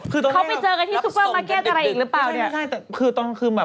เขามันไปเจอกันที่ซูเปอร์ิมา์เก็ตอะไรอีกหรือเปล่า